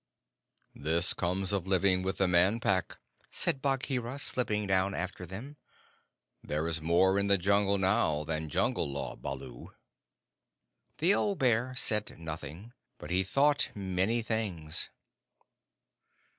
"This comes of living with the Man Pack," said Bagheera, slipping down after them. "There is more in the Jungle now than Jungle Law, Baloo." The old bear said nothing, but he thought many things.